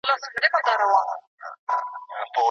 زیړ زبېښلی هم له وهمه رېږدېدلی